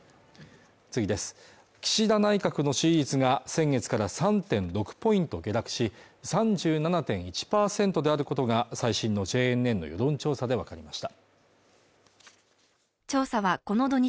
岸田内閣の支持率が先月から３．６ポイント下落し３７．１％であることが最新のＪＮＮの世論調査でわかりました